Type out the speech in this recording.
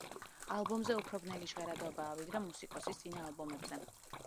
ალბომზე უფრო ბნელი ჟღერადობაა, ვიდრე მუსიკოსის წინა ალბომებზე.